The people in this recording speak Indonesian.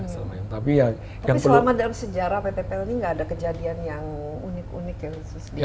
tapi selama dalam sejarah pppl ini gak ada kejadian yang unik unik ya khusus di